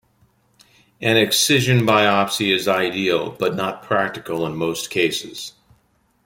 An excision biopsy is ideal, but not practical in most cases.